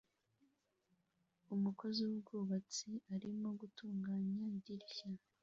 Umukozi wubwubatsi arimo gutunganya idirishya